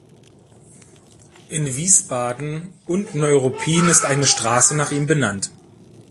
In Wiesbaden und Neuruppin ist eine Straße nach ihm benannt.